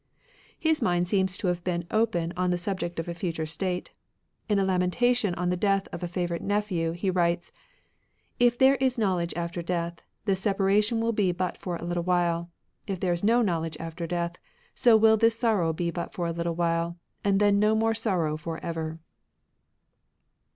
His mind seems to have been open on the sub ject of a future state. In a lamentation on the death of a favourite nephew, he writes, ^* If there is knowledge after death, this separa tion wiQ be but for a little while. If there is no knowledge after death, so wiQ this sorrow be but for a little while, and then no more sorrow for ever."